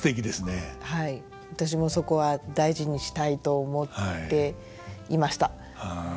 私もそこは大事にしたいと思っていました。